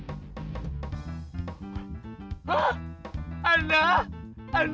aduh ya allah apa ini